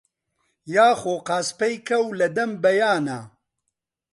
یا خۆ قاسپەی کەو لەدەم بەیانا